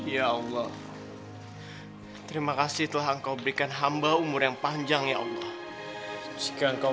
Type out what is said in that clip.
ya allah terima kasih telah engkau berikan hamba umur yang panjang ya allah